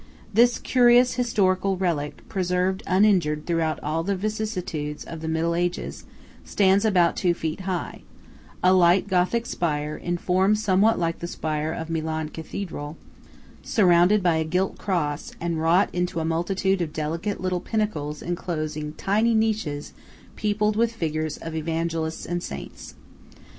This curious historical relic, preserved uninjured throughout all the vicissitudes of the middle ages, stands about two feet high–a light Gothic spire, in form somewhat like the spire of Milan Cathedral; surmounted by a gilt cross; and wrought into a multitude of delicate little pinnacles enclosing tiny niches peopled with figures of Evangelists and Saints.